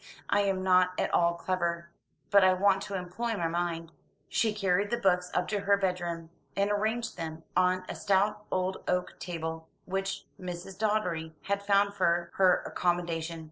"I am not at all clever; but I want to employ my mind." She carried the books up to her bedroom, and arranged them on a stout old oak table, which Mrs. Doddery had found for her accommodation.